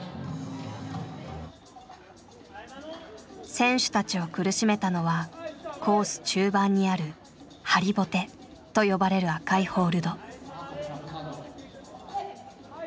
選手たちを苦しめたのはコース中盤にある「ハリボテ」と呼ばれる赤いホールド。